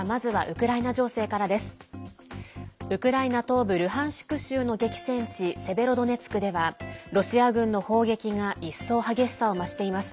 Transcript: ウクライナ東部ルハンシク州の激戦地セベロドネツクではロシア軍の砲撃が一層激しさを増しています。